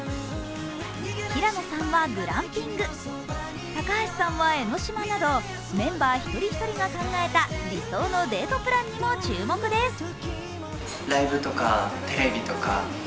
平野さんはグランピング高橋さんは江の島などメンバー１人１人が考えた理想のデートプランにも注目です。